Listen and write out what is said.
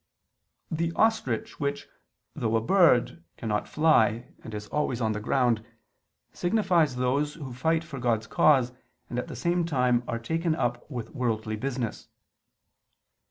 The ostrich which, though a bird, cannot fly, and is always on the ground, signifies those who fight for God's cause, and at the same time are taken up with worldly business.